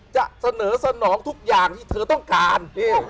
จะเสนอสนองทุกอย่างที่เธอต้องการ